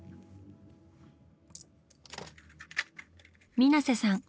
水瀬さん